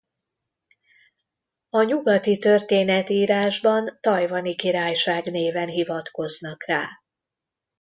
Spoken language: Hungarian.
A nyugati történetírásban Tajvani Királyság néven hivatkoznak rá.